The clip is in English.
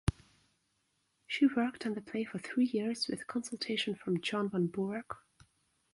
She worked on the play for three years with consultation from John Van Burek.